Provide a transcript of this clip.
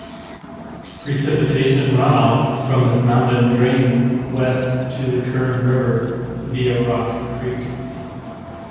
Precipitation runoff from this mountain drains west to the Kern River via Rock Creek.